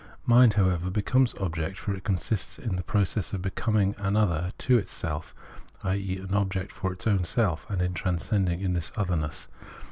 Mind, how ever, becomes object, for it consists in the process of becoming an other to itself, i.e. an object for its ov.rn self, and in transcending this otherness.